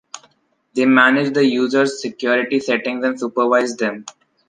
They manage the users’ security settings and supervise them.